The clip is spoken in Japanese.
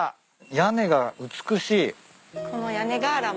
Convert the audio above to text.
屋根が美しい。